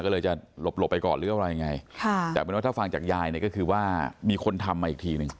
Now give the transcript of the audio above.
ก็เลยจะหลบไปก่อนหรืออะไรไงแต่ถ้าฟังจากยายก็คือว่ามีคนทำมาอีกทีนึง